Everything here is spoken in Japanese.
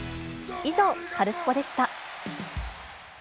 以上、カルスポっ！でした。